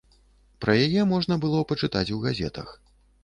Пра яе можна было пачытаць у газетах.